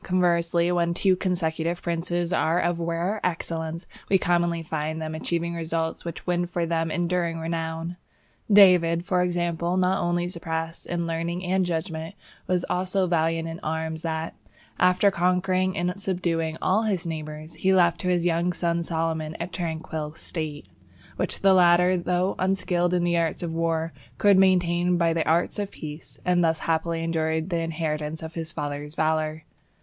Conversely, when two consecutive princes are of rare excellence, we commonly find them achieving results which win for them enduring renown. David, for example, not only surpassed in learning and judgment, but was so valiant in arms that, after conquering and subduing all his neighbours, he left to his young son Solomon a tranquil State, which the latter, though unskilled in the arts of war, could maintain by the arts of peace, and thus happily enjoy the inheritance of his father's valour.